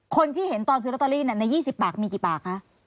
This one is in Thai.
คนที่เห็นตอนซื้อลอตเตอรี่ใน๒๐ปากมีกี่ปากคะ